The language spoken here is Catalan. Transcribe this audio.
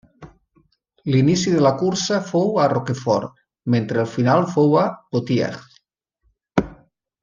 L'inici de la cursa fou a Rochefort, mentre el final fou a Poitiers.